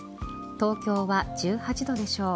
東京は１８度でしょう。